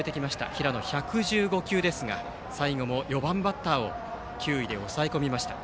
平野、１１５球ですが最後も４番バッターを球威で抑え込みました。